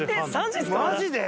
マジで？